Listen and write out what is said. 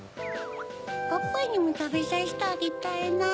パパにもたべさせてあげたいなぁ。